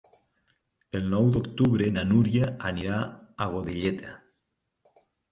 El nou d'octubre na Núria anirà a Godelleta.